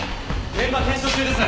現場検証中です。